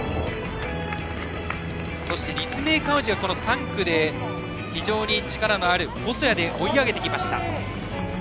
そして立命館宇治は３区で、非常に力のある細谷で追い上げてきました。